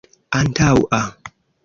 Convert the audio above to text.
antaŭa